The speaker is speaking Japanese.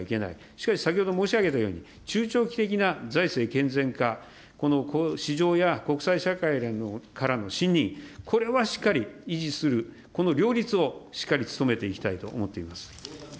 しかし先ほど申し上げたように、中長期的な財政健全化、市場や国際社会からの信任、これはしっかり維持する、この両立をしっかり努めていきたいと思っています。